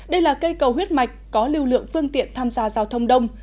đây là cây cầu huyết mạch có lưu lượng phương tiện tham gia giao thông đông